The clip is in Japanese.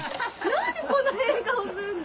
何でこんな変顔すんの？